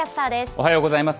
おはようございます。